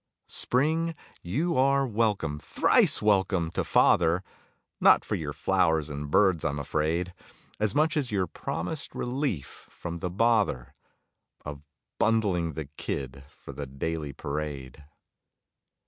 Spring, you are welcome, thrice welcome to father; Not for your flowers and birds, I'm afraid, As much as your promised relief from the bother Of bundling the kid for the daily parade.